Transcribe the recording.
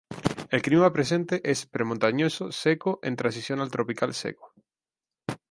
El clima presente es pre-montañoso seco en transición al tropical seco.